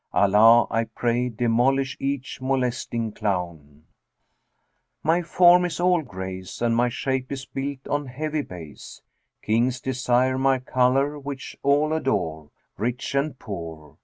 * Allah I pray demolish each molesting clown!'[FN#382] My form is all grace and my shape is built on heavy base; Kings desire my colour which all adore, rich and poor.